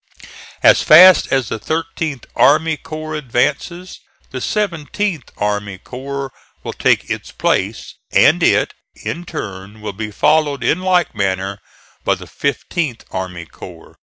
As fast as the Thirteenth army corps advances, the Seventeenth army corps will take its place; and it, in turn, will be followed in like manner by the Fifteenth army corps.